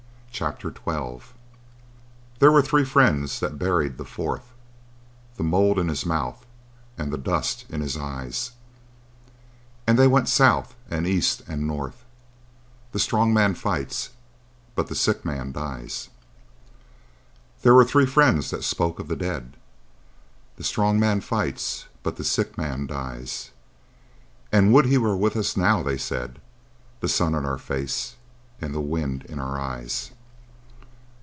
CHAPTER XII There were three friends that buried the fourth, The mould in his mouth and the dust in his eyes And they went south and east, and north,— The strong man fights, but the sick man dies. There were three friends that spoke of the dead,— The strong man fights, but the sick man dies.— "And would he were with us now," they said, "The sun in our face and the wind in our eyes."